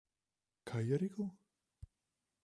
Kaj je rekel?